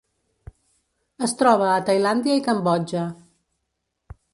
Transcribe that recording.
Es troba a Tailàndia i Cambodja.